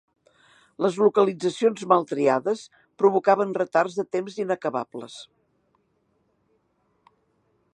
Les localitzacions mal triades provocaven retards de temps inacabables.